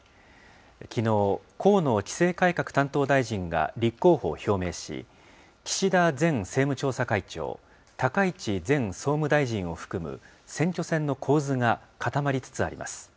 きのう、河野規制改革担当大臣が立候補を表明し、岸田前政務調査会長、高市前総務大臣を含む選挙戦の構図が固まりつつあります。